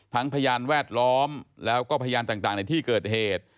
พยานแวดล้อมแล้วก็พยานต่างในที่เกิดเหตุ